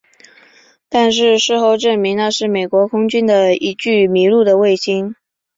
但是事后证实那是美国空军的一具迷路的卫星。